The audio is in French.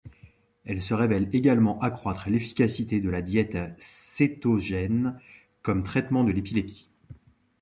Elle se révèle également accroître l'efficacité de la diète cétogène comme traitement de l'épilepsie.